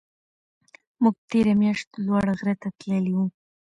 موږ تېره میاشت لوړ غره ته تللي وو.